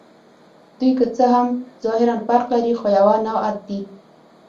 دوی که څه هم ظاهراً فرق لري، خو یوه نوعه دي.